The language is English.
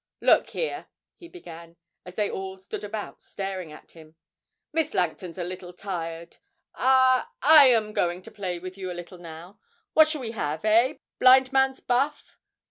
'Look here,' he began, as they all stood about staring at him, 'Miss Langton's a little tired. I I am going to play with you a little now. What shall we have, eh? Blind man's buff?'